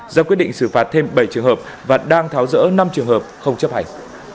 ra quyết định xử phạt thêm bảy trường hợp và đang tháo rỡ năm trường hợp không chấp hành